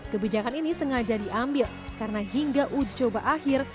kebijakan ini sengaja diambil karena hingga ujicoba akhir